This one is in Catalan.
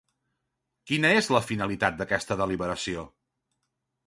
Quina és la finalitat d'aquesta deliberació?